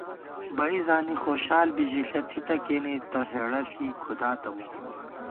بئ زانی خوشال بی ژِݪہ ، تھِتہ کېنے تہ ہېڑہ ݪی کھُداتہ مو